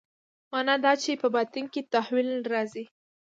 معنا دا چې په باطن کې تحول راځي.